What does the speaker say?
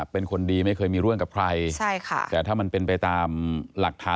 เป็นคนดีไม่เคยมีเรื่องกับใครใช่ค่ะแต่ถ้ามันเป็นไปตามหลักฐาน